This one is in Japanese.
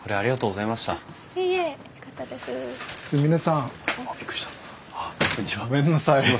ごめんなさい。